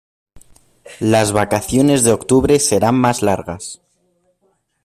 Las vacaciones de octubre serán más largas.